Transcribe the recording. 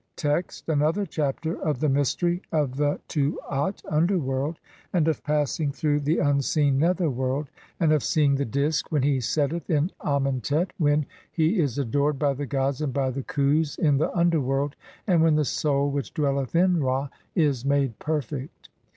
Text : I. (1) [Another Chapter of] the mystery of the TUAT (UNDERWORLD) AND OF PASSING THROUGH THE UNSEEN NETHERWORLD, and of seeing the Disk when he setteth in Amen tet, [when] he is adored by the gods and by the Khus in the underworld, and [when] the Soul (2) which dwelleth in Ra is made perfect.